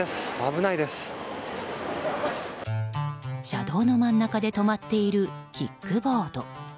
車道の真ん中で止まっているキックボード。